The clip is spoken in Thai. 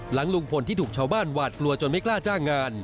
หลังลุงพลที่ถูกชาวบ้านหวาดกลัวจนไม่กล้าจ้างงาน